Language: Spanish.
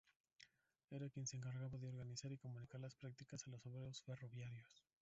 Era quien se encargaba de organizar y comunicar las prácticas a los obreros ferroviarios.